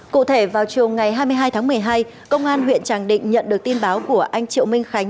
cụ thể vào chiều ngày hai mươi hai tháng một mươi hai công an huyện tràng định nhận được tin báo của anh triệu minh khánh